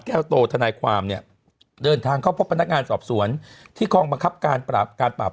แก้วโตทนายความเนี่ยเดินทางเข้าพบพนักงานสอบสวนที่กองบังคับการปราบการปราบ